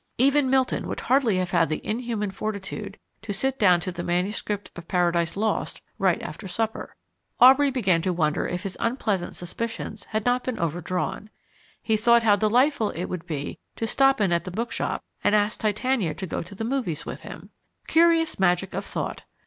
Even Milton would hardly have had the inhuman fortitude to sit down to the manuscript of Paradise Lost right after supper. Aubrey began to wonder if his unpleasant suspicions had not been overdrawn. He thought how delightful it would be to stop in at the bookshop and ask Titania to go to the movies with him. Curious magic of thought!